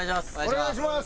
お願いします